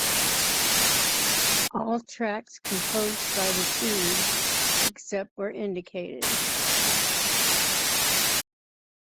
All tracks composed by The Tubes; except where indicated.